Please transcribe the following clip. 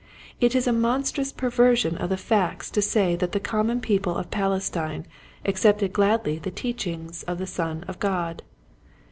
It is a monstrous perversion of the facts to say that the common people of Palestine accepted gladly the teaching of the Son of God.